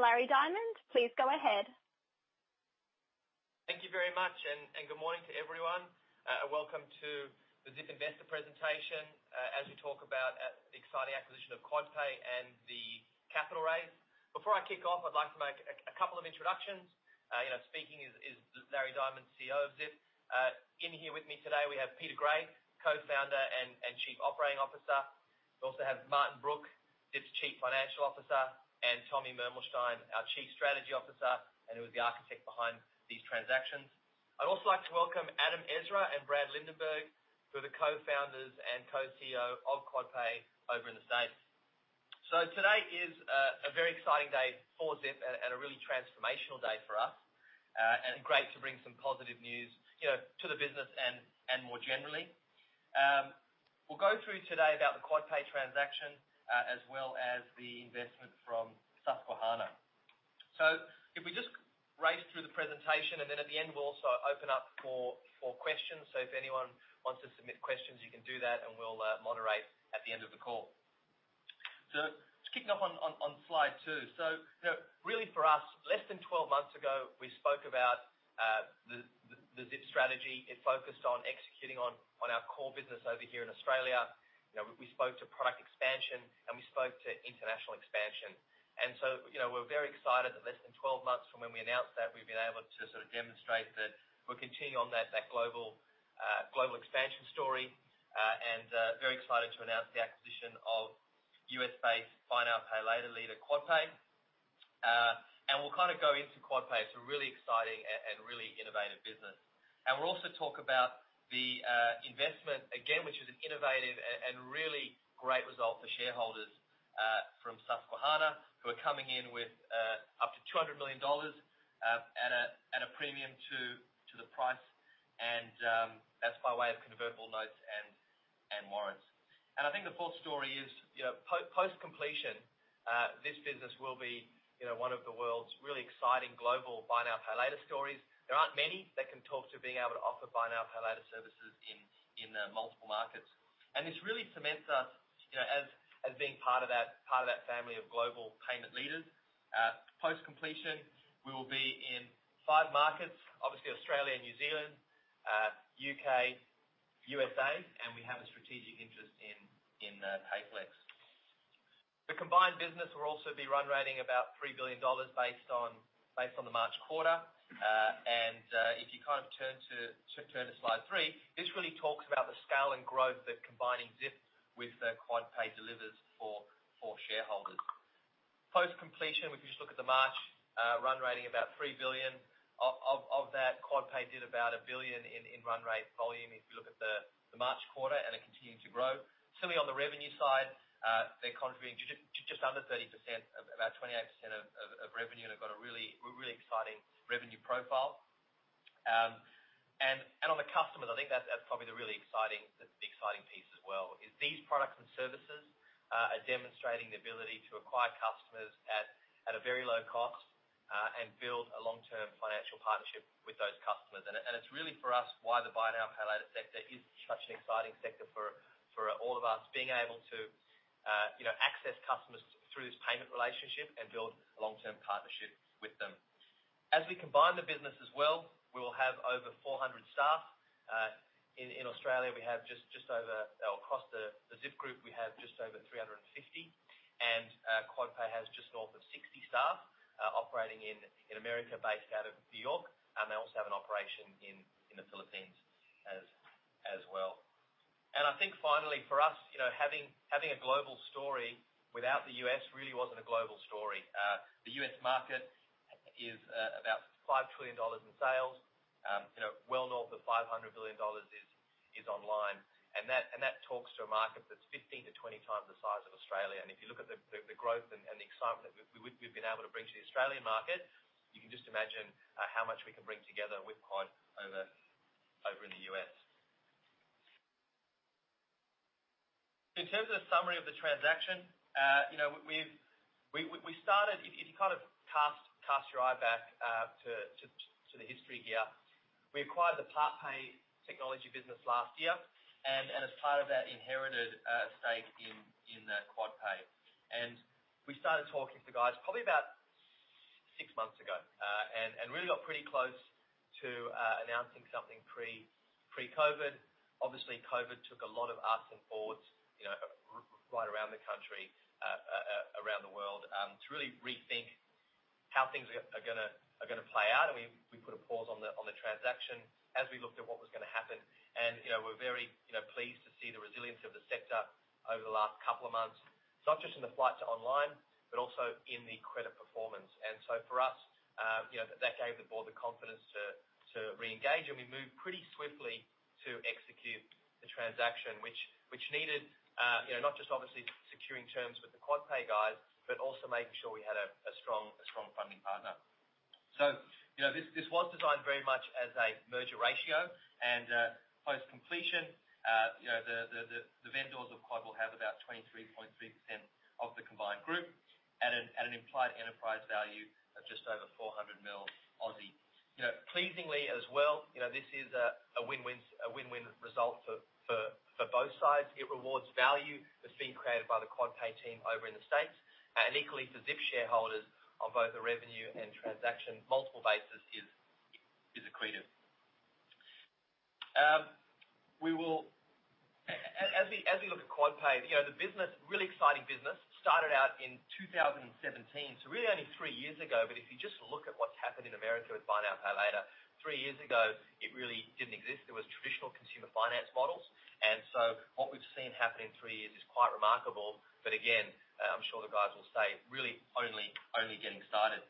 So Larry Diamond, please go ahead. Thank you very much, and good morning to everyone. Welcome to the Zip investor presentation. As we talk about the exciting acquisition of QuadPay and the capital raise. Before I kick off, I'd like to make a couple of introductions. You know, speaking is Larry Diamond, CEO of Zip. In here with me today, we have Peter Gray, Co-founder and Chief Operating Officer. We also have Martin Brooke, Zip's Chief Financial Officer, and Tommy Mermelshtayn, our Chief Strategy Officer, and who is the architect behind these transactions. I'd also like to welcome Adam Ezra and Brad Lindenberg, who are the Co-founders and Co-CEO of QuadPay over in the States. So today is a very exciting day for Zip and a really transformational day for us. And great to bring some positive news, you know, to the business and more generally. We'll go through today about the QuadPay transaction, as well as the investment from Susquehanna. So if we just race through the presentation, and then at the end, we'll also open up for questions. So if anyone wants to submit questions, you can do that, and we'll moderate at the end of the call. So just kicking off on slide two. So, you know, really for us, less than 12 months ago, we spoke about the Zip strategy. It focused on executing on our core business over here in Australia. You know, we spoke to product expansion, and we spoke to international expansion. And so, you know, we're very excited that less than 12 months from when we announced that, we've been able to sort of demonstrate that we're continuing on that global expansion story. And very excited to announce the acquisition of U.S.-based buy now, pay later leader, QuadPay. And we'll kind of go into QuadPay. It's a really exciting and really innovative business. And we'll also talk about the investment, again, which is an innovative and really great result for shareholders, from Susquehanna, who are coming in with up to $200 million, at a premium to the price. And that's by way of convertible notes and warrants. And I think the fourth story is, you know, post-completion, this business will be, you know, one of the world's really exciting global buy now, pay later stories. There aren't many that can talk to being able to offer buy now, pay later services in, multiple markets. And this really cements us, you know, as, as being part of that, part of that family of global payment leaders. Post-completion, we will be in five markets, obviously, Australia and New Zealand, U.K., U.S.A., and we have a strategic interest in, Payflex. The combined business will also be run rate about $3 billion based on the March quarter. And, if you kind of turn to slide three, this really talks about the scale and growth that combining Zip with QuadPay delivers for shareholders. Post-completion, if you just look at the March run rate about three billion. Of that, QuadPay did about a billion in run rate volume, if you look at the March quarter, and it continued to grow. Similarly, on the revenue side, they're contributing to just under 30%, about 28% of revenue, and have got a really exciting revenue profile. And on the customers, I think that's probably the really exciting piece as well, is these products and services are demonstrating the ability to acquire customers at a very low cost, and build a long-term financial partnership with those customers. And it's really, for us, why the buy now, pay later sector is such an exciting sector for all of us. Being able to, you know, access customers through this payment relationship and build a long-term partnership with them. As we combine the business as well, we will have over 400 staff. Across the Zip group, we have just over 350, and QuadPay has just north of 60 staff, operating in America, based out of New York, and they also have an operation in the Philippines as well. And I think finally, for us, you know, having a global story without the U.S. really wasn't a global story. The U.S. market is about $5 trillion in sales. You know, well north of $500 billion is online, and that talks to a market that's 15-20 times the size of Australia. If you look at the growth and the excitement that we've been able to bring to the Australian market, you can just imagine how much we can bring together with Quad over in the U.S. In terms of summary of the transaction, you know, we've started. If you kind of cast your eye back to the history here, we acquired the PartPay technology business last year, and as part of that, inherited a stake in QuadPay. We started talking to the guys probably about six months ago, and really got pretty close to announcing something pre-COVID. Obviously, COVID took a lot of us and boards, you know, right around the country, around the world, to really rethink how things are gonna play out, and we put a pause on the transaction as we looked at what was gonna happen, and you know, we're very, you know, pleased to see the resilience of the sector over the last couple of months. Not just in the flight to online, but also in the credit performance, and so for us, you know, that gave the board the confidence to re-engage, and we moved pretty swiftly to execute the transaction, which needed, you know, not just obviously securing terms with the QuadPay guys, but also making sure we had a strong funding partner. So, you know, this was designed very much as a merger ratio, and post-completion, you know, the vendors of QuadPay will have about 23.3% of the combined group at an implied enterprise value pleasingly as well, you know, this is a win-win result for both sides. It rewards value that's being created by the QuadPay team over in the States, and equally for Zip shareholders on both a revenue and transaction multiple basis is accretive. As we look at QuadPay, you know, the business, really exciting business, started out in 2017, so really only three years ago. But if you just look at what's happened in America with buy now, pay later, three years ago, it really didn't exist. It was traditional consumer finance models. And so what we've seen happen in three years is quite remarkable. But again, I'm sure the guys will say really only getting started.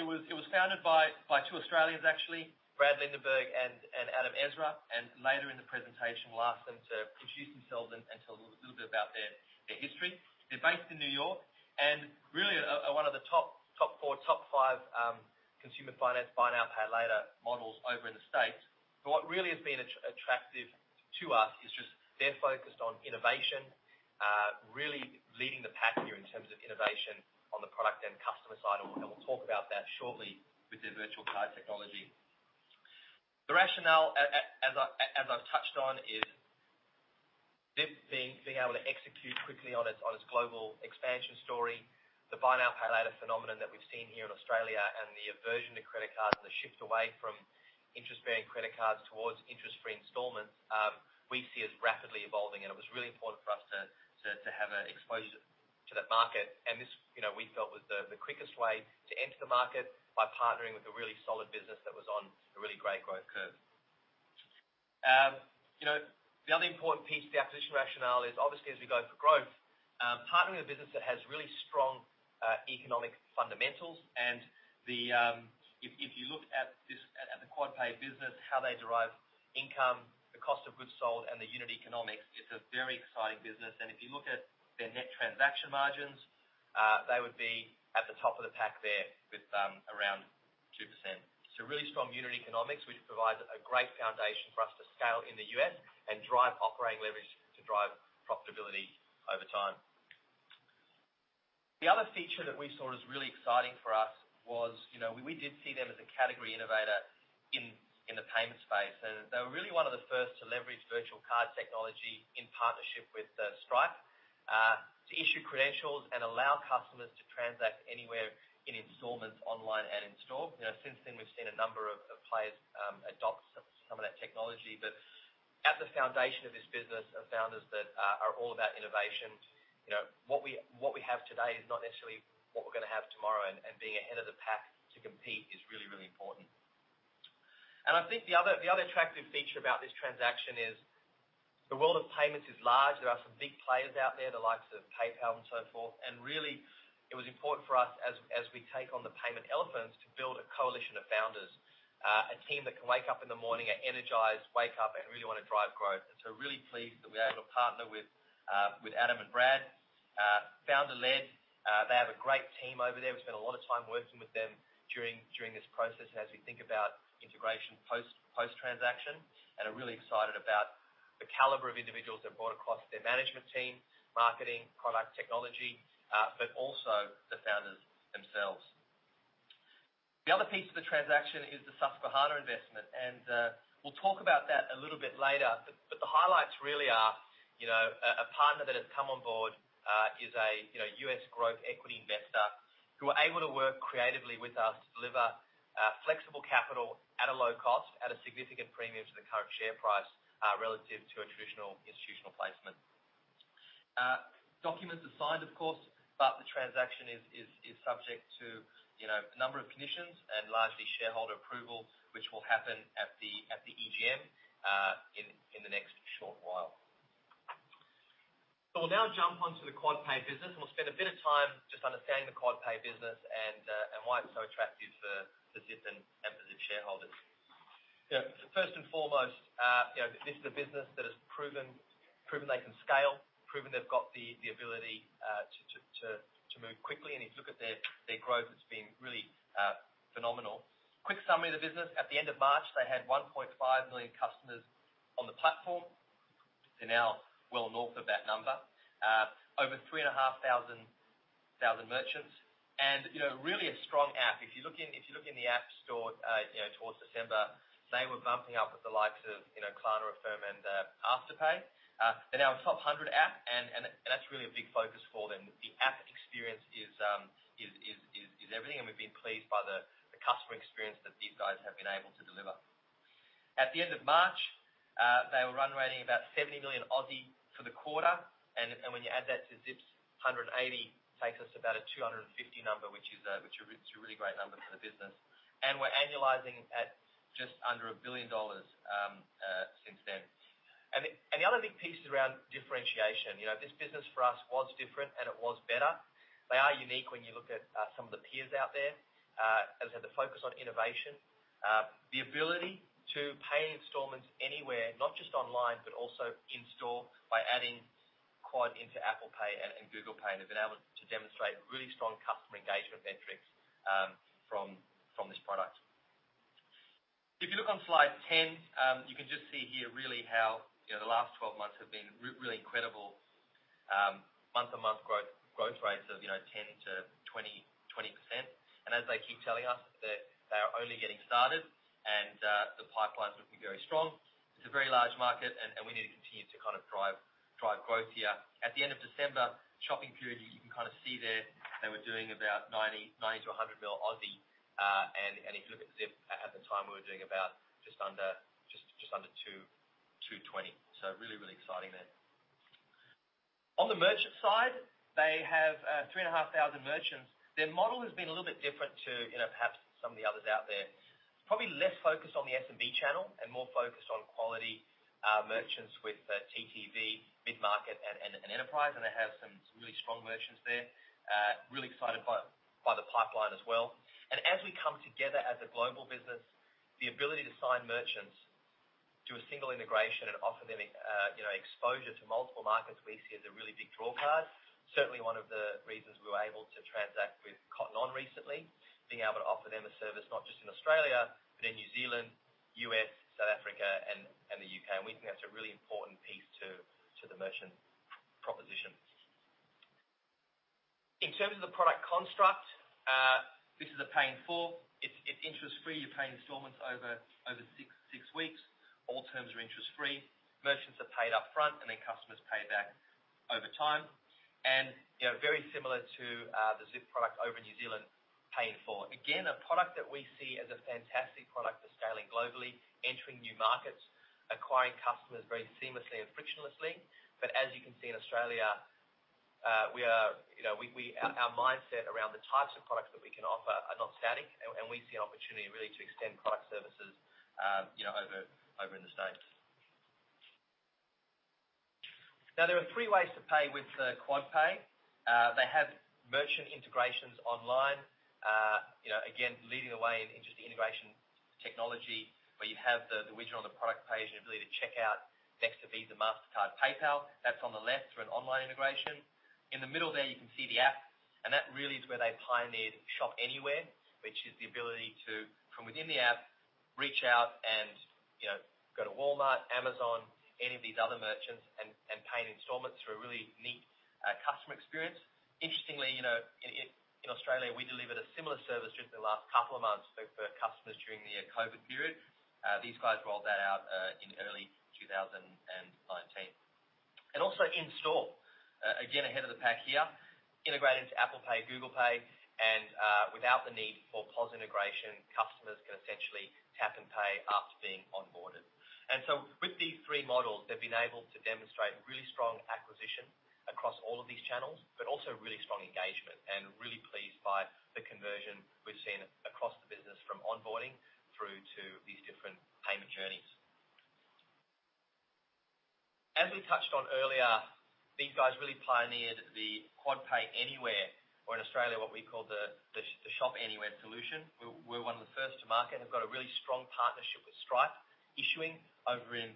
It was founded by two Australians, actually, Brad Lindenberg and Adam Ezra. And later in the presentation, we'll ask them to introduce themselves and tell a little bit about their history. They're based in New York, and really one of the top four, top five consumer finance buy now, pay later models over in the States. But what really has been attractive to us is just they're focused on innovation, really leading the pack here in terms of innovation on the product and customer side. And we'll talk about that shortly with their virtual card technology. The rationale, as I've touched on, is Zip being able to execute quickly on its global expansion story. The buy now, pay later phenomenon that we've seen here in Australia, and the aversion to credit cards, and the shift away from interest-bearing credit cards towards interest-free installments, we see as rapidly evolving. It was really important for us to have an exposure to that market. This, you know, we felt was the quickest way to enter the market by partnering with a really solid business that was on a really great growth curve. You know, the other important piece of the acquisition rationale is, obviously, as we go for growth, partnering with a business that has really strong economic fundamentals. And then, if you look at this, at the QuadPay business, how they derive income, the cost of goods sold, and the unit economics, it's a very exciting business. And if you look at their net transaction margins, they would be at the top of the pack there with, around 2%. So really strong unit economics, which provides a great foundation for us to scale in the U.S. and drive operating leverage to drive profitability over time. The other feature that we saw as really exciting for us was, you know, we did see them as a category innovator in the payment space. And they were really one of the first to leverage virtual card technology in partnership with Stripe to issue credentials and allow customers to transact anywhere in installments, online and in-store. You know, since then, we've seen a number of players adopt some of that technology. But at the foundation of this business are founders that are all about innovation. You know, what we have today is not necessarily what we're gonna have tomorrow, and being ahead of the pack to compete is really, really important. And I think the other attractive feature about this transaction is the world of payments is large. There are some big players out there, the likes of PayPal and so forth. And really, it was important for us as we take on the payment elephants, to build a coalition of founders. A team that can wake up in the morning and energize, and really wanna drive growth. And so really pleased that we're able to partner with Adam and Brad, founder-led. They have a great team over there. We spent a lot of time working with them during this process and as we think about integration post-transaction, and are really excited about the caliber of individuals they've brought across their management team, marketing, product technology, but also the founders themselves. The other piece of the transaction is the Susquehanna investment, and we'll talk about that a little bit later, but the highlights really are, you know, a partner that has come on board is a you know U.S. growth equity investor who are able to work creatively with us to deliver flexible capital at a low cost, at a significant premium to the current share price relative to a traditional institutional placement. Documents are signed, of course, but the transaction is subject to, you know, a number of conditions and largely shareholder approval, which will happen at the EGM in the next short while, so we'll now jump onto the QuadPay business, and we'll spend a bit of time just understanding the QuadPay business and why it's so attractive for Zip and for Zip shareholders. You know, first and foremost, you know, this is a business that has proven they can scale, proven they've got the ability to move quickly, and if you look at their growth, it's been really phenomenal. Quick summary of the business. At the end of March, they had 1.5 million customers on the platform. They're now well north of that number. Over three and a half thousand merchants, and you know, really a strong app. If you look in the App Store, you know, towards December, they were bumping up with the likes of, you know, Klarna, Affirm, and Afterpay. They're now a top 100 app, and that's really a big focus for them. The app experience is everything, and we've been pleased by the customer experience that these guys have been able to deliver. At the end of March, they were run rating about 70 million for the quarter, and when you add that to Zip's 180, takes us to about a 250 number, which is a really great number for the business. And we're annualizing at just under $1 billion since then. And the other big piece is around differentiation. You know, this business for us was different, and it was better. They are unique when you look at some of the peers out there. As I said, the focus on innovation. The ability to pay installments anywhere, not just online, but also in-store, by adding Quad into Apple Pay and Google Pay, have been able to demonstrate really strong customer engagement metrics from this product... If you look on slide 10, you can just see here really how, you know, the last 12 months have been really incredible. Month-to-month growth rates of 10 to 20, 20%. As they keep telling us that they are only getting started and the pipeline is looking very strong. It's a very large market, and we need to continue to kind of drive growth here. At the end of December, shopping period, you can kind of see there, they were doing about 90-100 million AUD. And if you look at Zip, at the time, we were doing about just under 220 million AUD. So really exciting there. On the merchant side, they have 3,500 merchants. Their model has been a little bit different to, you know, perhaps some of the others out there. Probably less focused on the SMB channel and more focused on quality merchants with TTV, mid-market, and enterprise, and they have some really strong merchants there. Really excited by the pipeline as well. And as we come together as a global business, the ability to sign merchants to a single integration and offer them a, you know, exposure to multiple markets, we see as a really big draw card. Certainly, one of the reasons we were able to transact with Cotton On recently, being able to offer them a service, not just in Australia, but in New Zealand, US, South Africa, and the UK. And we think that's a really important piece to the merchant proposition. In terms of the product construct, this is a Pay in 4. It's interest-free. You pay installments over six weeks. All terms are interest-free. Merchants are paid upfront, and then customers pay back over time. You know, very similar to the Zip product over in New Zealand, paying in 4. Again, a product that we see as a fantastic product for scaling globally, entering new markets, acquiring customers very seamlessly and frictionlessly. But as you can see in Australia, we are, you know, our mindset around the types of products that we can offer are not static, and we see an opportunity really to extend product services, you know, over in the States. Now, there are three ways to pay with QuadPay. They have merchant integrations online. You know, again, leading the way in just the integration technology, where you have the widget on the product page and ability to check out next to Visa, Mastercard, PayPal. That's on the left for an online integration. In the middle there, you can see the app, and that really is where they pioneered Shop Anywhere, which is the ability to, from within the app, reach out and, you know, go to Walmart, Amazon, any of these other merchants, and pay in installments through a really neat customer experience. Interestingly, you know, in Australia, we delivered a similar service just in the last couple of months for customers during the COVID period. These guys rolled that out in early two thousand and nineteen. And also in-store, again, ahead of the pack here, integrated into Apple Pay, Google Pay, and without the need for POS integration, customers can essentially tap and pay after being onboarded. And so with these three models, they've been able to demonstrate really strong acquisition across all of these channels, but also really strong engagement. Really pleased by the conversion we've seen across the business, from onboarding through to these different payment journeys. As we touched on earlier, these guys really pioneered the QuadPay Anywhere, or in Australia, what we call the Shop Anywhere solution. We're one of the first to market, and we've got a really strong partnership with Stripe, issuing over in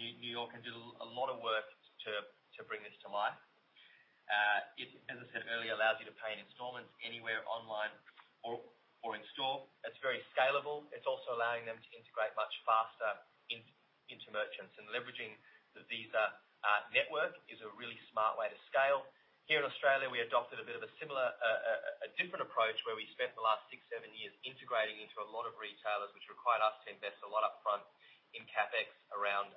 New York, and do a lot of work to bring this to life. It as I said earlier, allows you to pay in installments anywhere online or in store. It's very scalable. It's also allowing them to integrate much faster into merchants. Leveraging the Visa network is a really smart way to scale. Here in Australia, we adopted a bit of a similar, a different approach, where we spent the last six, seven years integrating into a lot of retailers, which required us to invest a lot upfront in CapEx around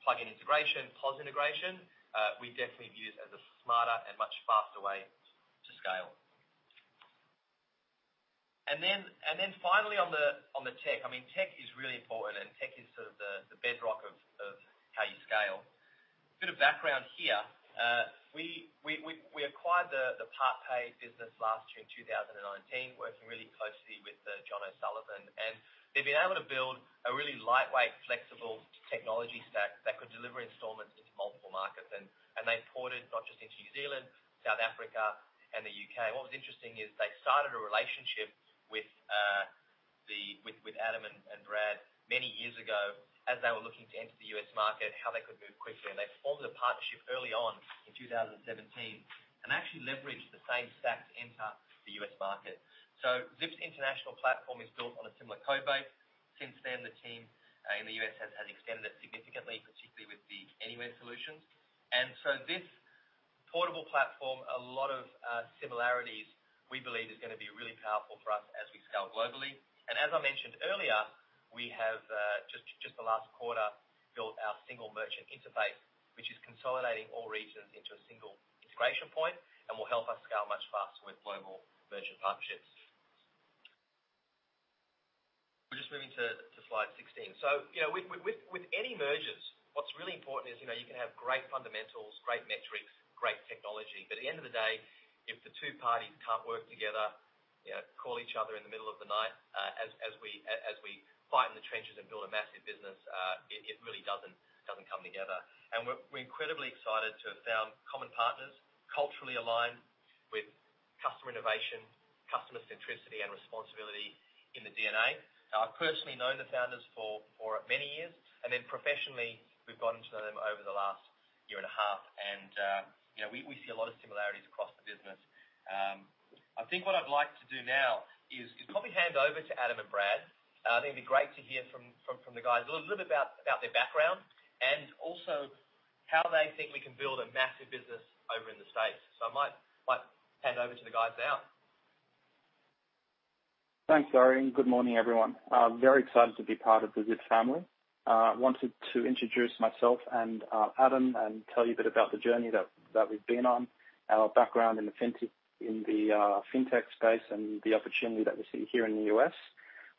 plugin integration, POS integration. We definitely view this as a smarter and much faster way to scale. And then finally, on the tech. I mean, tech is really important, and tech is sort of the bedrock of how you scale. A bit of background here. We acquired the PartPay business last year in two thousand and nineteen, working really closely with John O'Sullivan. And they've been able to build a really lightweight, flexible technology stack that could deliver installments into multiple markets. They imported not just into New Zealand, South Africa, and the U.K. What was interesting is they started a relationship with Adam and Brad many years ago, as they were looking to enter the U.S. market, how they could move quickly. They formed a partnership early on in two thousand and seventeen, and actually leveraged the same stack to enter the U.S. market. Zip's international platform is built on a similar code base. Since then, the team in the U.S. has extended it significantly, particularly with the Anywhere solutions. This portable platform, a lot of similarities, we believe, is gonna be really powerful for us as we scale globally. And as I mentioned earlier, we have just the last quarter built our single merchant interface, which is consolidating all regions into a single integration point and will help us scale much faster with global merchant partnerships. We're just moving to slide 16. So, you know, with any mergers, what's really important is, you know, you can have great fundamentals, great metrics, great technology, but at the end of the day, if the two parties can't work together, you know, call each other in the middle of the night as we fight in the trenches and build a massive business, it really doesn't come together. And we're incredibly excited to have found common partners, culturally aligned with customer innovation, customer centricity, and responsibility in the DNA. Now, I've personally known the founders for... many years, and then professionally, we've gotten to know them over the last year and a half. And, you know, we see a lot of similarities across the business. I think what I'd like to do now is probably hand over to Adam and Brad. I think it'd be great to hear from the guys, a little bit about their background, and also how they think we can build a massive business over in the States. So I might hand over to the guys now. Thanks, Larry, and good morning, everyone. Very excited to be part of the Zip family. I wanted to introduce myself and Adam, and tell you a bit about the journey that we've been on, our background in the fintech in the fintech space, and the opportunity that we see here in the US.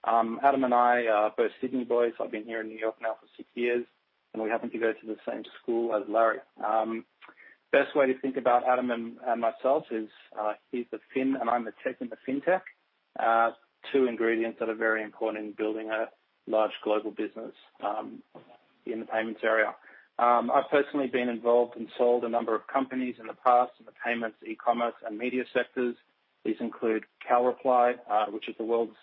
Adam and I are both Sydney boys. I've been here in New York now for six years, and we happened to go to the same school as Larry. Best way to think about Adam and myself is, he's the fin and I'm the tech in the fintech. Two ingredients that are very important in building a large global business, in the payments area. I've personally been involved and sold a number of companies in the past, in the payments, e-commerce, and media sectors. These include CalReply, which is the world's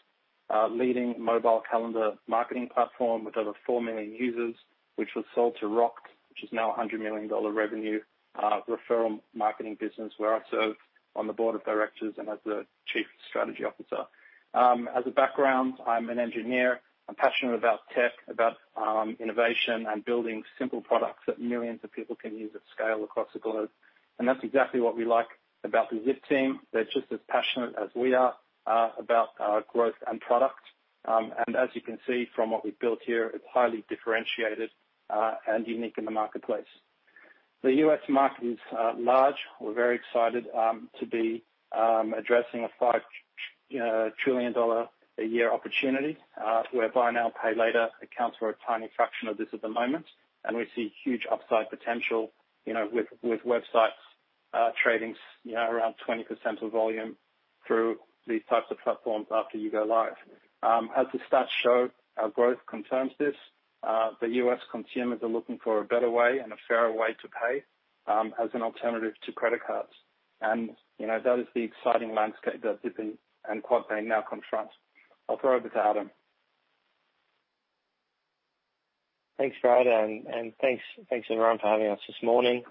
leading mobile calendar marketing platform, with over four million users, which was sold to Rokt, which is now a $100 million revenue referral marketing business, where I serve on the board of directors and as the Chief Strategy Officer. As a background, I'm an engineer. I'm passionate about tech, about innovation and building simple products that millions of people can use at scale across the globe. And that's exactly what we like about the Zip team. They're just as passionate as we are about growth and product. And as you can see from what we've built here, it's highly differentiated and unique in the marketplace. The U.S. market is large. We're very excited to be addressing a $5 trillion a year opportunity where buy now, pay later accounts for a tiny fraction of this at the moment, and we see huge upside potential, you know, with websites trading, you know, around 20% of volume through these types of platforms after you go live. As the stats show, our growth confirms this. The U.S. consumers are looking for a better way and a fairer way to pay as an alternative to credit cards, and you know, that is the exciting landscape that Zip and QuadPay now confront. I'll throw over to Adam. Thanks, Brad, and thanks, everyone, for having us this morning.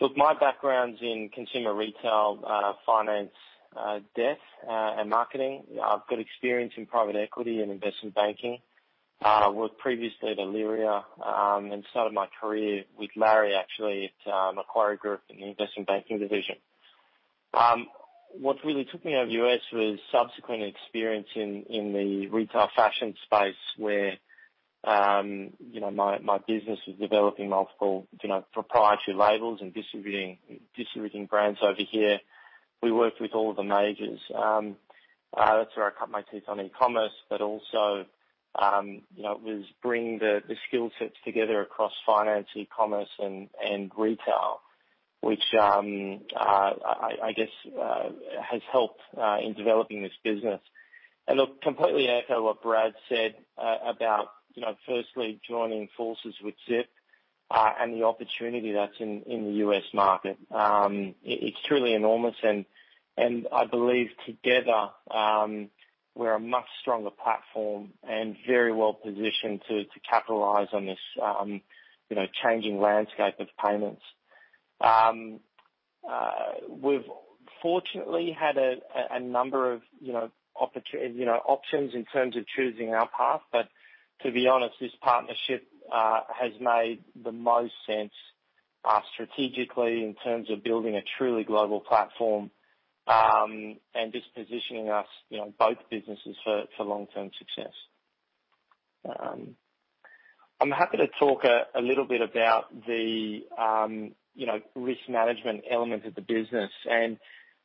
Look, my background's in consumer retail, finance, debt, and marketing. I've got experience in private equity and investment banking. Worked previously at Illyria, and started my career with Larry, actually, at Macquarie Group in the investment banking division. What really took me out of the U.S. was subsequent experience in the retail fashion space, where, you know, my business was developing multiple, you know, proprietary labels and distributing brands over here. We worked with all of the majors. That's where I cut my teeth on e-commerce, but also, you know, it was bringing the skill sets together across finance, e-commerce, and retail, which, I guess, has helped in developing this business. And look, completely echo what Brad said about, you know, firstly, joining forces with Zip and the opportunity that's in the U.S. market. It's truly enormous, and I believe together, we're a much stronger platform and very well positioned to capitalize on this, you know, changing landscape of payments. We've fortunately had a number of, you know, opportunities, you know, options in terms of choosing our path. But to be honest, this partnership has made the most sense strategically in terms of building a truly global platform and just positioning us, you know, both businesses for long-term success. I'm happy to talk a little bit about the, you know, risk management element of the business.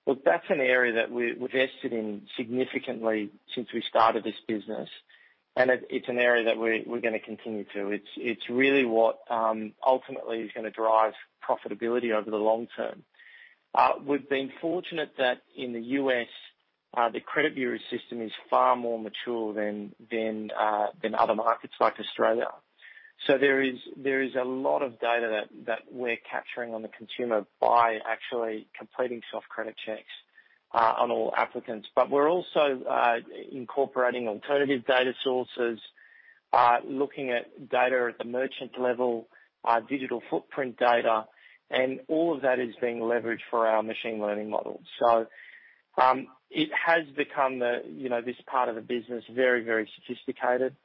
Look, that's an area that we've invested in significantly since we started this business, and it's an area that we're gonna continue to. It's really what ultimately is gonna drive profitability over the long term. We've been fortunate that in the U.S., the credit bureau system is far more mature than other markets like Australia, so there is a lot of data that we're capturing on the consumer by actually completing soft credit checks on all applicants. But we're also incorporating alternative data sources, looking at data at the merchant level, digital footprint data, and all of that is being leveraged for our machine learning model, so it has become, you know, this part of the business very, very sophisticated.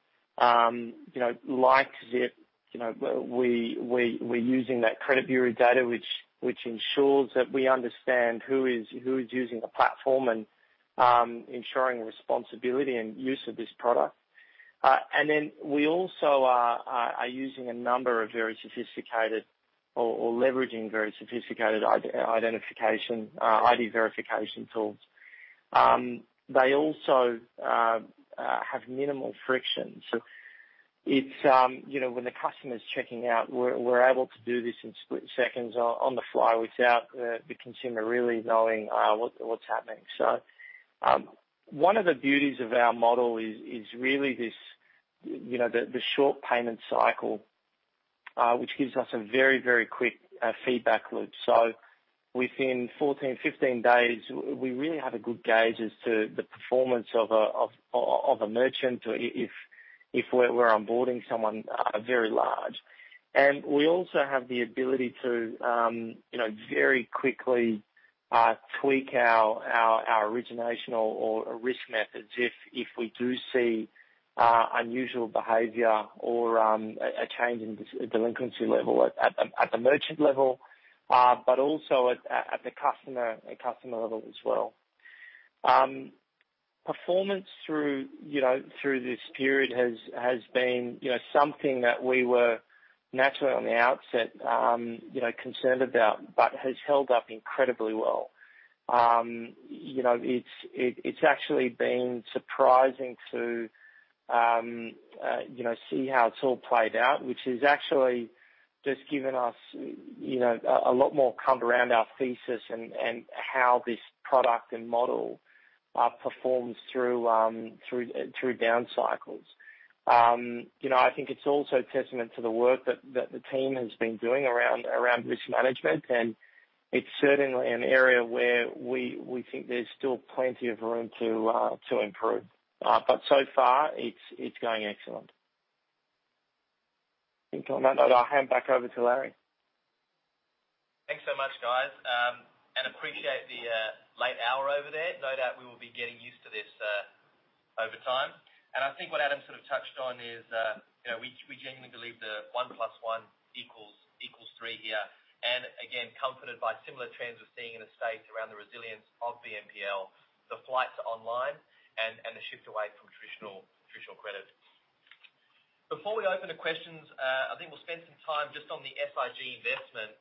You know, like Zip, you know, we're using that credit bureau data, which ensures that we understand who is using the platform, and ensuring responsibility and use of this product, and then we also are using a number of very sophisticated or leveraging very sophisticated identification ID verification tools. They also have minimal friction. So it's, you know, when the customer's checking out, we're able to do this in split seconds on the fly without the consumer really knowing what's happening. So, one of the beauties of our model is really this, you know, the short payment cycle, which gives us a very, very quick feedback loop. So within fourteen, fifteen days, we really have a good gauge as to the performance of a merchant, or if we're onboarding someone very large. And we also have the ability to, you know, very quickly, tweak our origination or risk methods if we do see unusual behavior or a change in delinquency level at the merchant level, but also at the customer level as well. Performance through, you know, through this period has been, you know, something that we were naturally on the outset, you know, concerned about, but has held up incredibly well. You know, it's actually been surprising to, you know, see how it's all played out, which has actually just given us, you know, a lot more comfort around our thesis and how this product and model performs through down cycles. You know, I think it's also a testament to the work that the team has been doing around risk management, and it's certainly an area where we think there's still plenty of room to improve, but so far it's going excellent. I think on that note, I'll hand back over to Larry. Thanks so much, guys, and appreciate the late hour over there. No doubt we will be getting used to this over time. I think what Adam sort of touched on is, you know, we genuinely believe that one plus one equals three here. And again, comforted by similar trends we're seeing in the States around the resilience of BNPL, the flight to online and the shift away from traditional credit. Before we open to questions, I think we'll spend some time just on the SIG investment.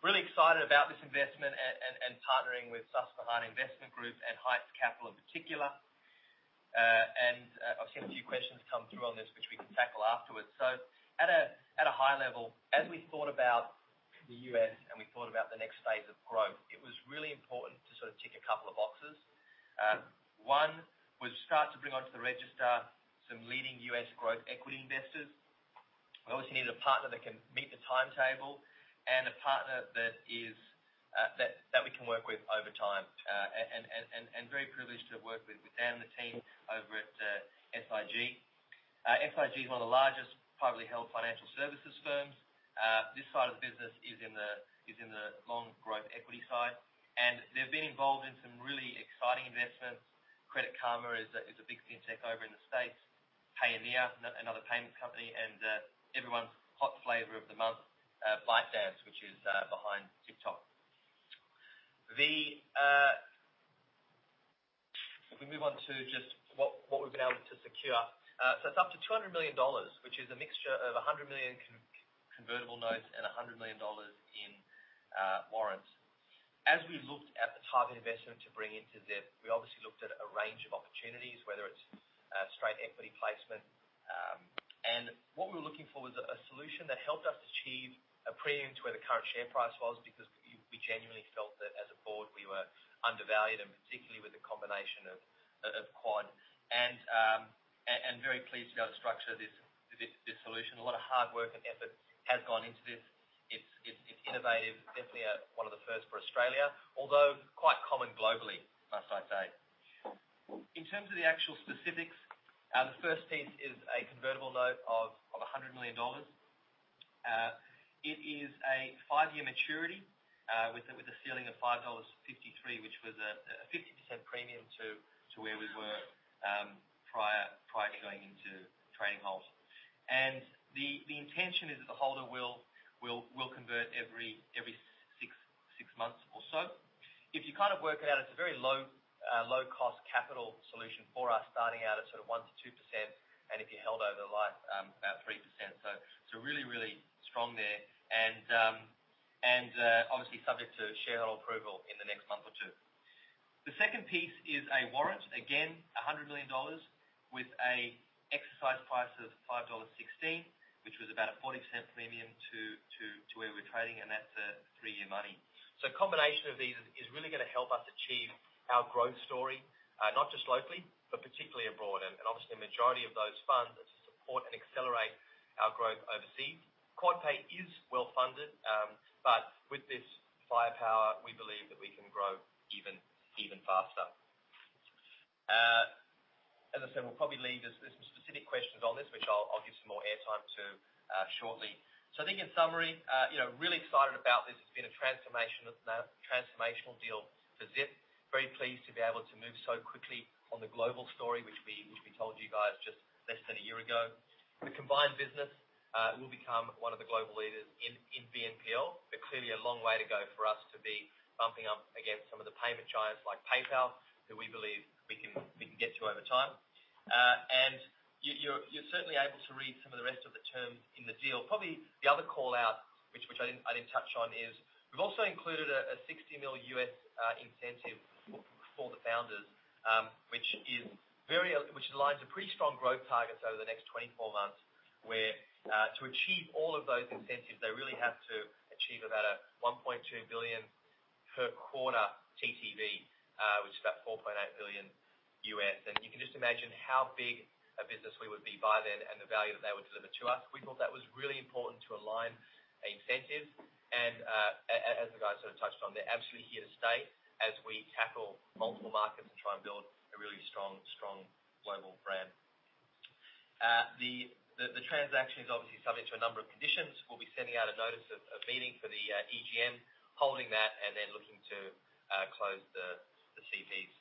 Really excited about this investment and partnering with Susquehanna International Group and Heights Capital Management, in particular. And I've seen a few questions come through on this, which we can tackle afterwards. So at a high level, as we thought about the U.S., and we thought about the next phase of growth, it was really important to sort of tick a couple of boxes. One was start to bring onto the register some leading U.S. growth equity investors. We obviously need a partner that can meet the timetable and a partner that is that we can work with over time. And very privileged to work with Dan and the team over at SIG. SIG is one of the largest privately held financial services firms. This side of the business is in the long growth equity side, and they've been involved in some really exciting investments. Credit Karma is a big fintech over in the States, Payoneer, another payment company, and everyone's hot flavor of the month, ByteDance, which is behind TikTok. If we move on to just what we've been able to secure. So it's up to $200 million, which is a mixture of $100 million convertible notes and $100 million in warrants. As we looked at the type of investment to bring into Zip, we obviously looked at a range of opportunities, whether it's a straight equity placement, and what we were looking for was a solution that helped us achieve a premium to where the current share price was, because we genuinely felt that as a board, we were undervalued, and particularly with the combination of Quad. Very pleased to be able to structure this solution. A lot of hard work and effort has gone into this. It's innovative, definitely, one of the first for Australia, although quite common globally, I must say. In terms of the actual specifics, the first piece is a convertible note of 100 million dollars. It is a five-year maturity with a ceiling of 5.53 dollars, which was a 50% premium to where we were prior to going into trading halt. The intention is that the holder will convert every six months or so. If you kind of work it out, it's a very low-cost capital solution for us, starting out at sort of 1-2%, and if you held over the life, about 3%. So really strong there. And obviously subject to shareholder approval in the next month or two. The second piece is a warrant, again, $100 million with an exercise price of $5.16, which was about a 40% premium to where we're trading, and that's three-year money. So a combination of these is really gonna help us achieve our growth story, not just locally, but particularly abroad. And obviously, the majority of those funds are to support and accelerate our growth overseas. QuadPay is well-funded, but with this firepower, we believe that we can grow even faster. As I said, we'll probably leave this. There's some specific questions on this, which I'll give some more airtime to shortly. So I think in summary, you know, really excited about this. It's been a transformational deal for Zip. Very pleased to be able to move so quickly on the global story, which we told you guys just less than a year ago. The combined business will become one of the global leaders in BNPL, but clearly a long way to go for us to be bumping up against some of the payment giants like PayPal, that we believe we can get to over time. And you're certainly able to read some of the rest of the terms in the deal. Probably the other call-out, which I didn't touch on, is we've also included a $60 million USD incentive for the founders, which is very, which aligns with pretty strong growth targets over the next 24 months, where to achieve all of those incentives, they really have to achieve about a $1.2 billion per quarter TTV, which is about $4.8 billion USD. And you can just imagine how big a business we would be by then and the value that they would deliver to us. We thought that was really important to align an incentive and, as the guys sort of touched on, they're absolutely here to stay as we tackle multiple markets and try and build a really strong, strong global brand. The transaction is obviously subject to a number of conditions. We'll be sending out a notice of meeting for the EGM, holding that, and then looking to close the CPs,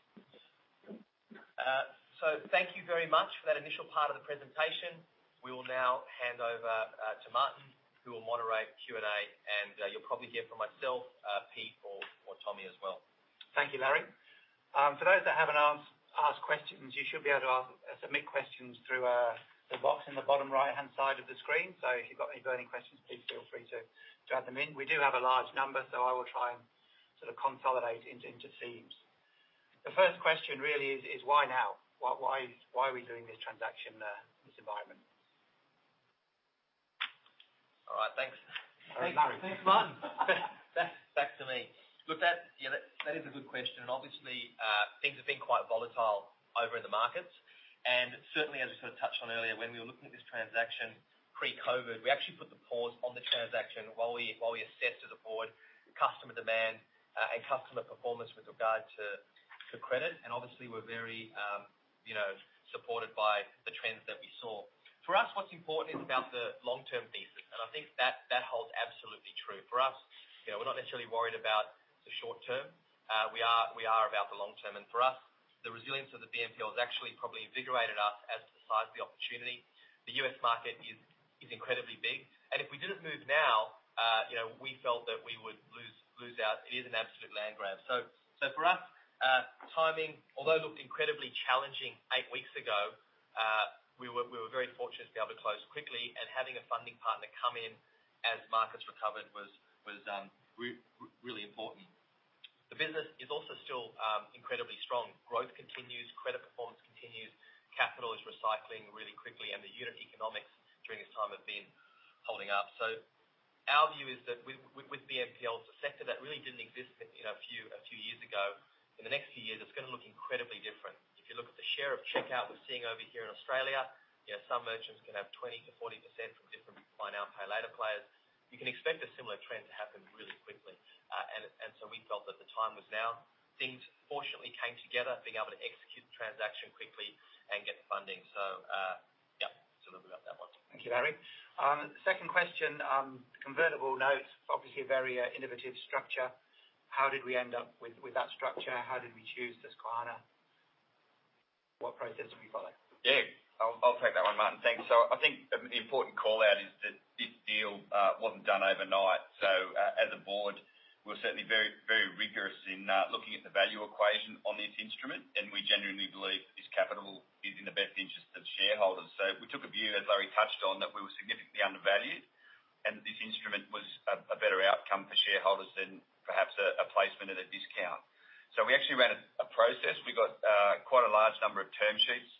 so thank you very much for that initial part of the presentation. We will now hand over to Martin, who will moderate the Q&A, and you'll probably hear from myself, Pete, or Tommy as well. Thank you, Larry. For those that haven't asked questions, you should be able to ask, submit questions through the box in the bottom right-hand side of the screen. So if you've got any burning questions, please feel free to add them in. We do have a large number, so I will try and sort of consolidate into themes. The first question really is why now? Why are we doing this transaction in this environment? All right. Thanks. Thanks, Larry. Thanks, Martin. Back to me. Look, that's... Yeah, that is a good question, and obviously, things have been quite volatile over in the markets. And certainly, as we sort of touched on earlier, when we were looking at this transaction pre-COVID, we actually put the pause on the transaction while we assessed as a board, customer demand, and customer performance with regard to credit. And obviously, we're very, you know, supported by the trends that we saw. For us, what's important is about the long-term thesis, and I think that holds absolutely true. For us, you know, we're not necessarily worried about the short term. We are about the long term, and for us, the resilience of the BNPL has actually probably invigorated us as to the size of the opportunity. The U.S. market is incredibly big, and if we didn't move now, you know, we felt that we would lose out. It is an absolute land grab. So for us, timing, although it looked incredibly challenging eight weeks ago, we were very fortunate to be able to close quickly, and having a funding partner come in as markets recovered was really important. The business is also still incredibly strong. Growth continues, credit performance continues, capital is recycling really quickly, and the unit economics during this time have been holding up. So our view is that with BNPLs, a sector that really didn't exist, you know, a few years ago, in the next few years, it's gonna look incredibly different. If you look at the share of checkout we're seeing over here in Australia, you know, some merchants can have 20%-40% from different buy now, pay later players. You can expect a similar trend to happen really quickly, and so we felt that the time was now. Things fortunately came together, being able to execute the transaction quickly and get the funding, so yeah, so a little bit about that one. Thank you, Larry. Second question, convertible notes, obviously a very innovative structure. How did we end up with that structure? How did we choose Susquehanna? What process did we follow? Yeah, I'll take that one, Martin. Thanks. So I think the important call-out is that this deal wasn't done overnight. So, as a board, we're certainly very, very rigorous in looking at the value equation on this instrument, and we genuinely believe this capital is in the best interest of the shareholders. So we took a view, as Larry touched on, that we were significantly undervalued, and this instrument was a better outcome for shareholders than perhaps a placement at a discount. So we actually ran a process. We got quite a large number of term sheets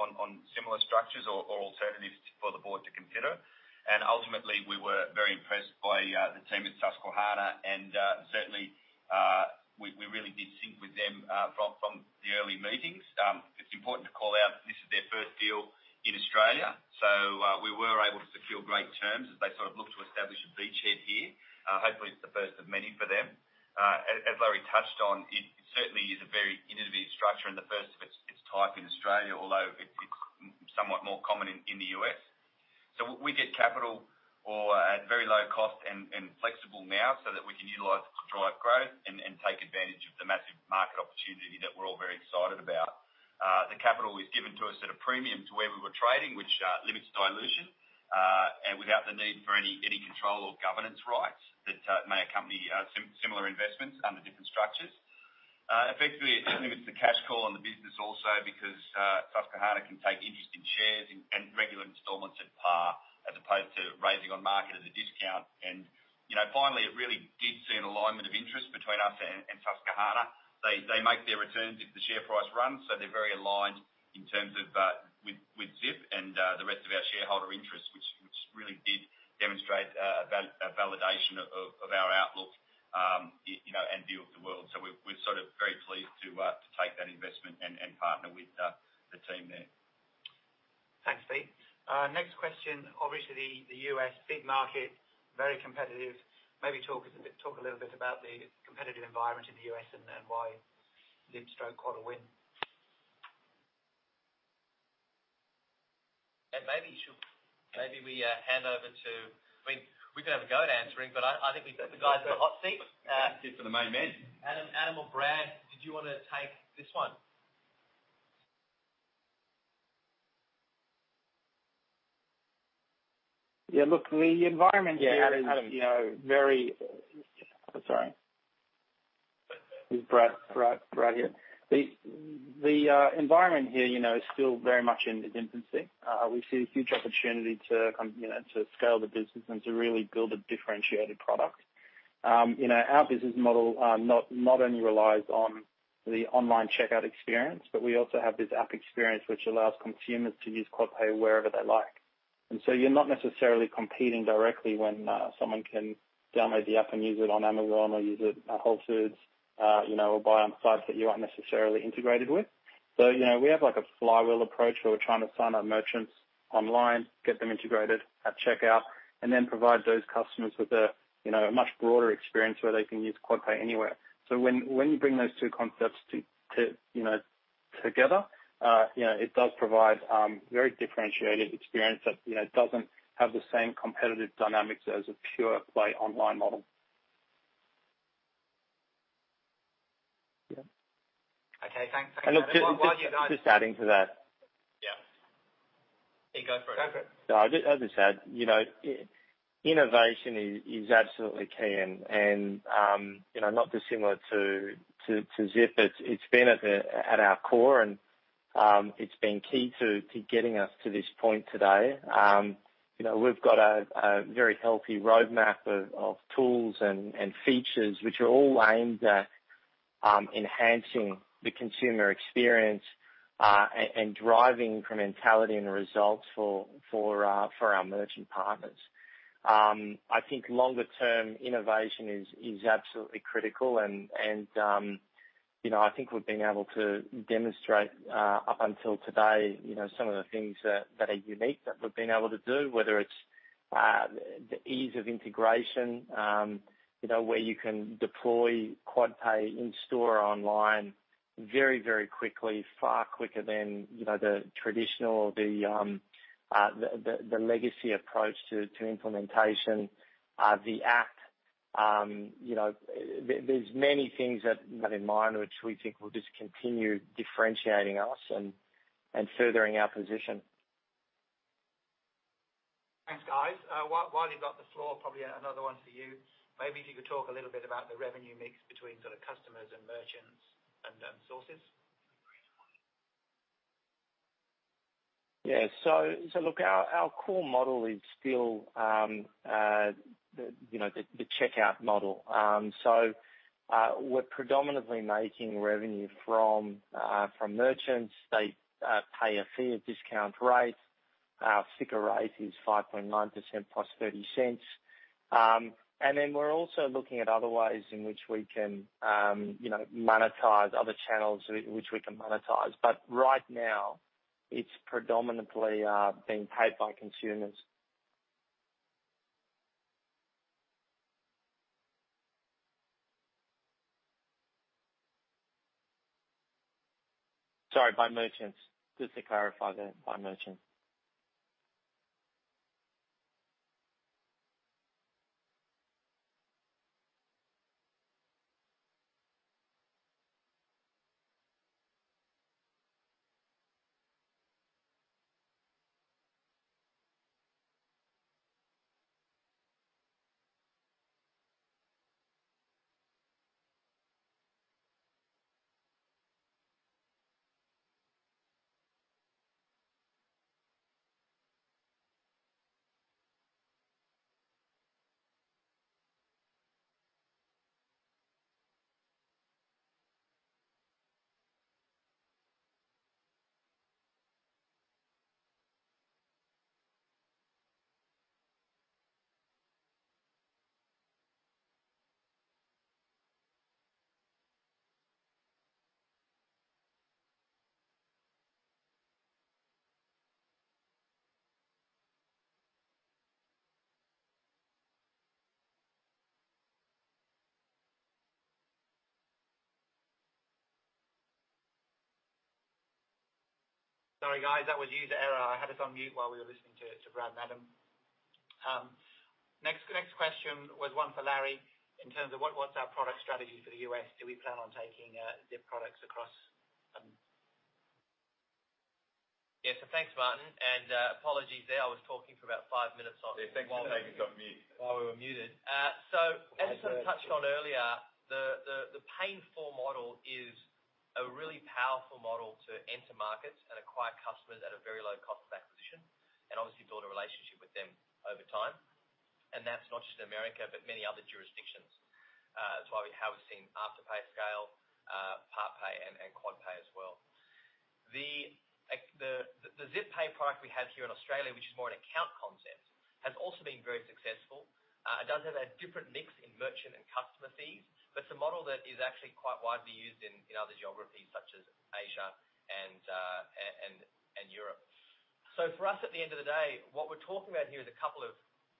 on similar structures or alternatives for the board to consider. And ultimately, we were very impressed by the team at Susquehanna, and certainly we really did sync with them from the early meetings. It's important to call out this is their first deal in Australia, so we were able to secure great terms as they sort of looked to establish a beachhead here. Hopefully, it's the first of many for them. As Larry touched on, it certainly is a very innovative structure and the first of its type in Australia, although it's somewhat more common in the U.S. So we get capital at very low cost and flexible now, so that we can utilize it to drive growth and take advantage of the massive market opportunity that we're all very excited about. The capital was given to us at a premium to where we were trading, which limits dilution and without the need for any control or governance rights that may accompany similar investments under different structures. Effectively, it limits the cash call on the business also because Susquehanna can take interest in shares and regular installments at par, as opposed to raising on market at a discount. And, you know, finally, it really did see an alignment of interest between us and Susquehanna. They make their returns if the share price runs, so they're very aligned in terms of with Zip and the rest of our shareholder interests, which really did demonstrate a validation of our outlook, you know, and view of the world. So we're sort of very pleased to take that investment and partner with the team there. Thanks, Pete. Next question. Obviously, the U.S. big market, very competitive. Maybe talk a little bit about the competitive environment in the U.S. and why Zip struck quite a win. And maybe you should. Maybe we hand over to... I mean, we can have a go at answering, but I think we put the guys in the hot seat. For the main man. Adam or Brad, did you want to take this one? Yeah, look, the environment here- Yeah, Adam. You know, Sorry. It's Brad here. The environment here, you know, is still very much in its infancy. We see a huge opportunity to come, you know, to scale the business and to really build a differentiated product. You know, our business model not only relies on the online checkout experience, but we also have this app experience, which allows consumers to use QuadPay wherever they like.... And so you're not necessarily competing directly when someone can download the app and use it on Amazon or use it at Whole Foods, you know, or buy on sites that you aren't necessarily integrated with. So, you know, we have like a flywheel approach, where we're trying to sign up merchants online, get them integrated at checkout, and then provide those customers with a, you know, a much broader experience where they can use QuadPay anywhere. So when you bring those two concepts to, you know, together, you know, it does provide very differentiated experience that, you know, doesn't have the same competitive dynamics as a pure play online model. Okay, thanks. Look, just adding to that. Yeah. Go for it. Over it. No, I just as I said, you know, innovation is absolutely key, and you know, not dissimilar to Zip, it's been at our core, and it's been key to getting us to this point today. You know, we've got a very healthy roadmap of tools and features which are all aimed at enhancing the consumer experience, and driving incrementality and results for our merchant partners. I think longer term innovation is absolutely critical, and you know, I think we've been able to demonstrate up until today, you know, some of the things that are unique that we've been able to do, whether it's the ease of integration, you know, where you can deploy QuadPay in store or online very, very quickly, far quicker than you know, the traditional, the legacy approach to implementation, the app. You know, there's many things that in mind, which we think will just continue differentiating us and furthering our position. Thanks, guys. While you've got the floor, probably another one for you. Maybe if you could talk a little bit about the revenue mix between sort of customers and merchants and sources. Yeah. So look, our core model is still, you know, the checkout model. So, we're predominantly making revenue from, from merchants. They pay a fee, a discount rate. Our sticker rate is 5.9% plus $0.30. And then we're also looking at other ways in which we can, you know, monetize other channels, which we can monetize. But right now, it's predominantly being paid by consumers. Sorry, by merchants. Just to clarify that, by merchants. Sorry, guys, that was user error. I had us on mute while we were listening to Brad and Adam. Next question was one for Larry. In terms of what's our product strategy for the U.S., do we plan on taking Zip products across? Yeah. So thanks, Martin, and apologies there. I was talking for about five minutes on- Yeah, thanks. You got mute. While we were muted. So as I touched on earlier, the pay four model is a really powerful model to enter markets and acquire customers at a very low cost of acquisition, and obviously build a relationship with them over time. And that's not just America, but many other jurisdictions. That's why we have seen Afterpay scale, PartPay and QuadPay as well. The Zip Pay product we have here in Australia, which is more an account concept, has also been very successful. It does have a different mix in merchant and customer fees, but it's a model that is actually quite widely used in other geographies such as Asia and Europe. So for us, at the end of the day, what we're talking about here is a couple of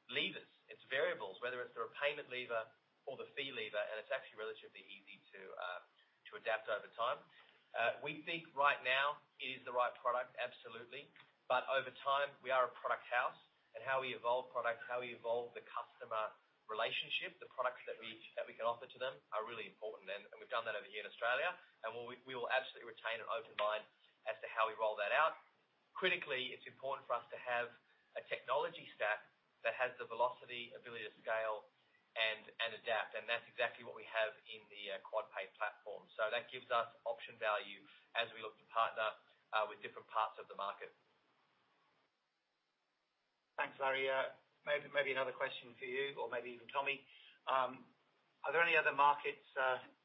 levers. It's variables, whether it's through a payment lever or the fee lever, and it's actually relatively easy to adapt over time. We think right now it is the right product, absolutely, but over time, we are a product house, and how we evolve products, how we evolve the customer relationship, the products that we can offer to them are really important, and we've done that over here in Australia, and we will absolutely retain an open mind as to how we roll that out. Critically, it's important for us to have a technology stack that has the velocity, ability to scale, and adapt, and that's exactly what we have in the QuadPay platform, so that gives us option value as we look to partner with different parts of the market. Thanks, Larry. Maybe, maybe another question for you, or maybe even Tommy. Are there any other markets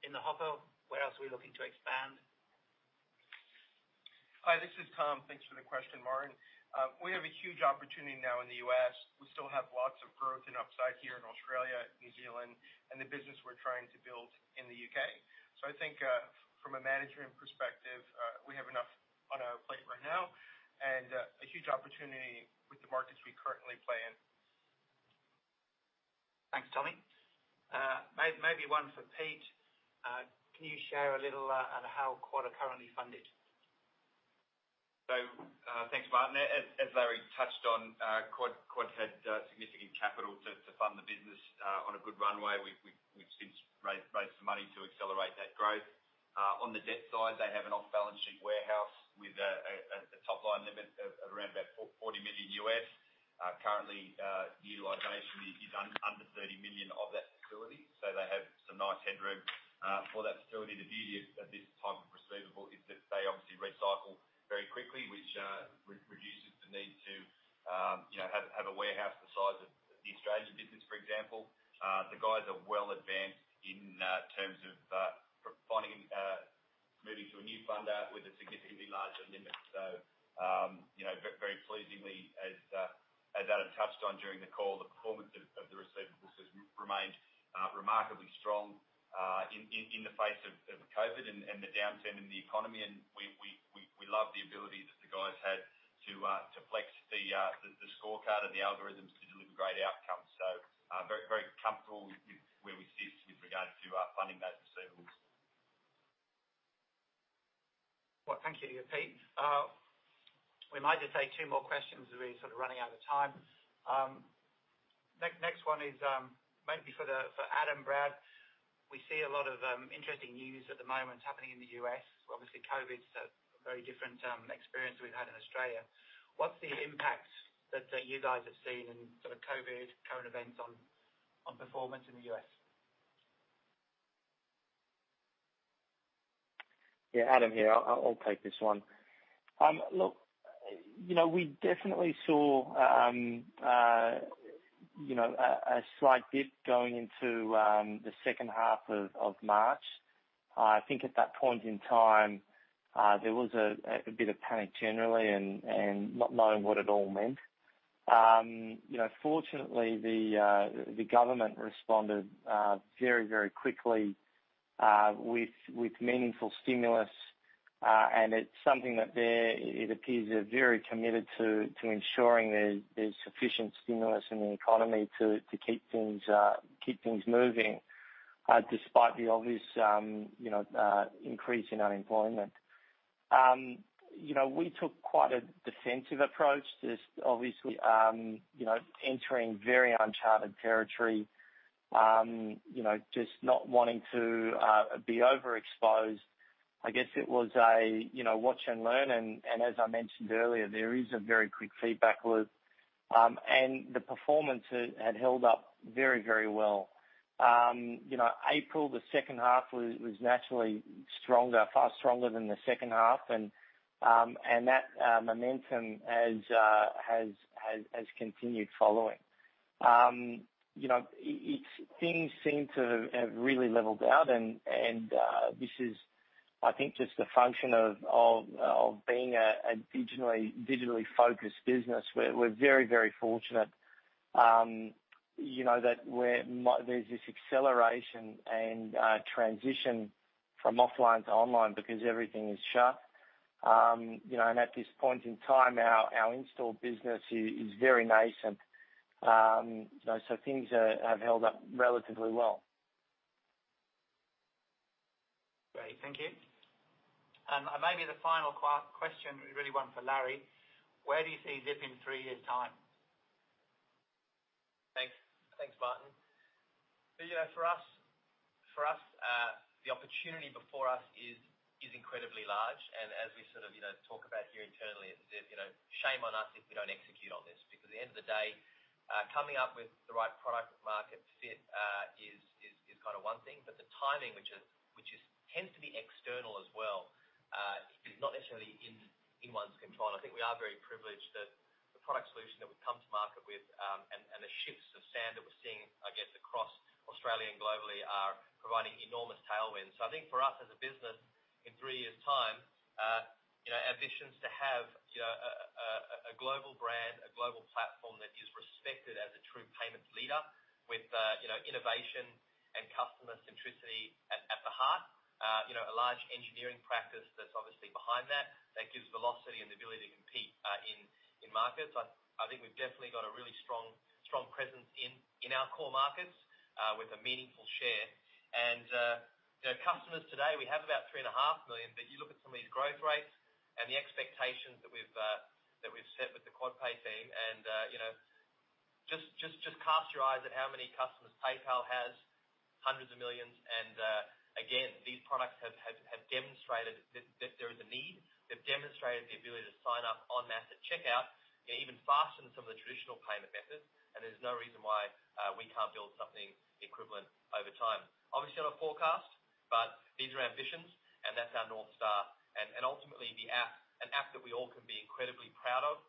in the hopper? Where else are we looking to expand? ...Hi, this is Tom. Thanks for the question, Martin. We have a huge opportunity now in the U.S. We still have lots of growth and upside here in Australia, New Zealand, and the business we're trying to build in the U.K. So I think, from a management perspective, we have enough on our plate right now and a huge opportunity with the markets we currently play in. Thanks, Tommy. Maybe one for Pete. Can you share a little on how Quad are currently funded? Thanks, Martin. As Larry touched on, Quad had significant capital to fund the business on a good runway. We've since raised some money to accelerate that growth. On the debt side, they have an off-balance sheet warehouse with a top-line limit of around $40 million. Currently, utilization is under $30 million of that facility, so they have some nice headroom. For that facility, the beauty of this type of receivable is that they obviously recycle very quickly, which reduces the need to, you know, have a warehouse the size of the Australian business, for example. The guys are well advanced in terms of finding moving to a new funder with a significantly larger limit. You know, very, very pleasingly, as Adam touched on during the call, the performance of the receivables has remained remarkably strong in the face of COVID and the downturn in the economy. We love the ability that the guys had to flex the scorecard and the algorithms to deliver great outcomes. Very, very comfortable with where we sit with regard to funding those receivables. Well, thank you, Pete. We might just take two more questions as we're sort of running out of time. Next one is maybe for Adam, Brad. We see a lot of interesting news at the moment happening in the U.S. Obviously, COVID's a very different experience we've had in Australia. What's the impact that you guys have seen in sort of COVID, current events on performance in the U.S.? Yeah, Adam here. I'll take this one. Look, you know, we definitely saw, you know, a slight dip going into the second half of March. I think at that point in time, there was a bit of panic generally and not knowing what it all meant. You know, fortunately, the government responded very quickly with meaningful stimulus, and it's something that they're, it appears, they're very committed to ensuring there's sufficient stimulus in the economy to keep things moving, despite the obvious, you know, increase in unemployment. You know, we took quite a defensive approach. Just obviously, you know, entering very uncharted territory, you know, just not wanting to be overexposed. I guess it was a you know watch and learn, and as I mentioned earlier, there is a very quick feedback loop. And the performance has held up very, very well. You know, April, the second half was naturally stronger, far stronger than the second half, and that has continued following. You know, it's things seem to have really leveled out, and this is, I think, just a function of being a digitally focused business. We're very, very fortunate, you know, that there's this acceleration and transition from offline to online because everything is shut. You know, and at this point in time, our in-store business is very nascent. You know, so things have held up relatively well. Great. Thank you. And, maybe the final question, really one for Larry: Where do you see Zip in three years' time? Thanks. Thanks, Martin. So, you know, for us, the opportunity before us is incredibly large, and as we sort of, you know, talk about here internally, it's, you know, shame on us if we don't execute on this. Because at the end of the day, coming up with the right product market fit is kind of one thing, but the timing, which tends to be external as well, is not necessarily in one's control. I think we are very privileged that the product solution that we've come to market with, and the shifting sands that we're seeing, I guess, across Australia and globally are providing enormous tailwinds. I think for us, as a business, in three years' time, you know, our vision is to have, you know, a global brand, a global platform that is respected as a true payments leader with, you know, innovation and customer centricity at the heart. You know, a large engineering practice that's obviously behind that, that gives velocity and the ability to compete in markets. I think we've definitely got a really strong presence in our core markets with a meaningful share, and you know, customers today, we have about 3.5 million, but you look at some of these growth rates and the expectations that we've set with the QuadPay team, and you know, just cast your eyes at how many customers PayPal has, hundreds of millions. And again, these products have demonstrated that there is a need. They've demonstrated the ability to sign up en masse at checkout, even faster than some of the traditional payment methods, and there's no reason why we can't build something equivalent over time. Obviously, on a forecast, but these are ambitions, and that's our North Star. And ultimately, the app, an app that we all can be incredibly proud of,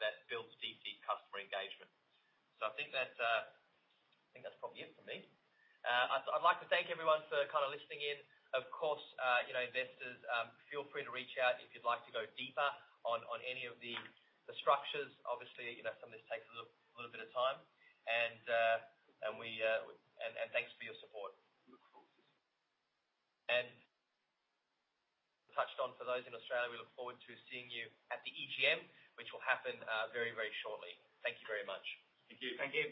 that builds deep customer engagement. So I think that's probably it for me. I'd like to thank everyone for kind of listening in. Of course, you know, investors, feel free to reach out if you'd like to go deeper on any of the structures. Obviously, you know, some of this takes a little bit of time, and thanks for your support. We look forward to it. And touched on, for those in Australia, we look forward to seeing you at the EGM, which will happen, very, very shortly. Thank you very much. Thank you. Thank you.